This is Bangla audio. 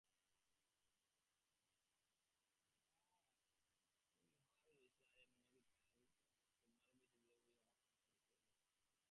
ভক্তি বা প্রেম দেশকালের অতীত, উহা পূর্ণস্বরূপ, নিরপেক্ষ।